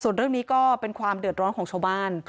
ส่วนเรื่องนี้ก็เป็นความเดือดร้อนของชาวบ้าน